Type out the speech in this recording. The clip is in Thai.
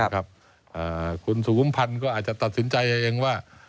คุณสุมพันธ์ก็อาจจะตัดสินใจเองว่า